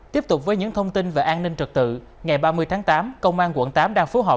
tiếp tục với những thông tin về an ninh trật tự ngày ba mươi tháng tám công an quận tám đang phối hợp